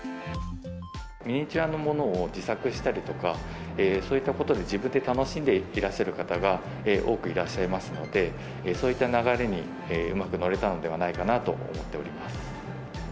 ミニチュアのものを自作したりとか、そういったことで自分で楽しんでいらっしゃる方が多くいらっしゃいますので、そういった流れに、うまく乗れたのではないかなと思っております。